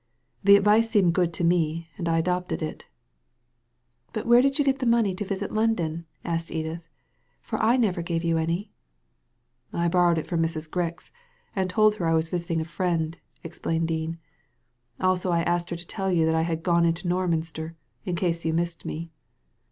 The advice seemed good to me, and I adopted it'* "But where did you get the money to visit London?" asked Edith. '^For I never gave you any," " I borrowed it from Mrs. Grix, and told her I was visiting a friend," explained Dean. "Also I asked her to tell you that I had gone into Norminster, in case you missed me."